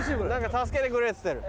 「助けてくれ！」っつってる。